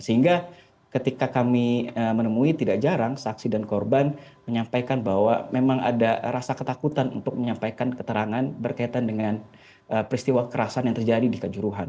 sehingga ketika kami menemui tidak jarang saksi dan korban menyampaikan bahwa memang ada rasa ketakutan untuk menyampaikan keterangan berkaitan dengan peristiwa kerasan yang terjadi di kanjuruhan